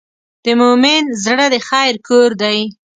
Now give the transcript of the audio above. د مؤمن زړه د خیر کور دی.